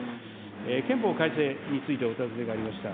憲法改正についてお尋ねがありました。